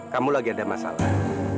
kamu lagi ada masalah